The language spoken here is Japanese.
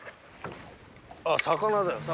あっ魚だよ魚！